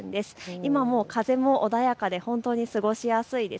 今も風が穏やかで本当に過ごしやすいです。